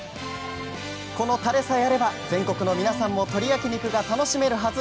このタレさえあれば全国の皆さんも鶏焼き肉が楽しめるはず。